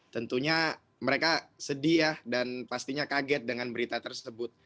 tentunya mereka sedih ya dan pastinya kaget dengan berita tersebut